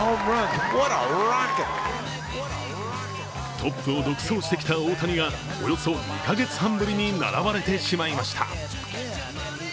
トップを独走してきた大谷がおよそ２カ月半ぶりに並ばれてしまいました。